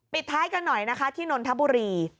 ท้ายกันหน่อยนะคะที่นนทบุรี